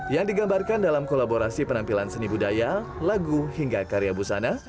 yang digambarkan dalam kolaborasi penampilan seni budaya lagu hingga karya busana